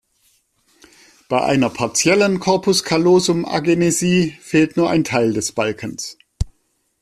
Bei einer partiellen Corpus-callosum-Agenesie fehlt nur ein Teil des Balkens.